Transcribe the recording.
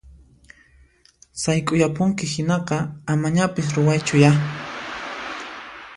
Sayk'uyapunki hinaqa amañapis ruwaychuya!